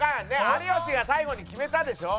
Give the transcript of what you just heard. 有吉が最後に決めたでしょ？